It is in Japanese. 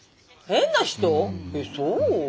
えっそう？